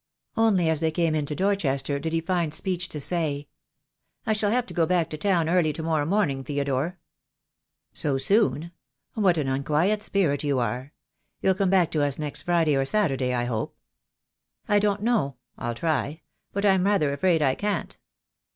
Only as they came into Dorchester did he find speech to say, — "I shall have to go back to town early to morrow morning, Theodore !" "So soon. What an unquiet spirit you are! You'll come back to us next Friday or Saturday, I hope." "I don't know. I'll try; but I'm rather afraid I can't."